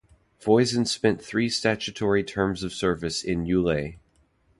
Voisin spent three statutory terms of service in Uele.